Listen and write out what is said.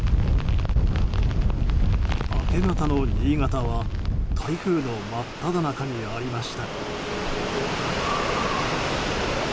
明け方の新潟は台風の真っただ中にありました。